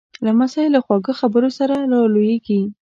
لمسی له خواږه خبرو سره را لویېږي.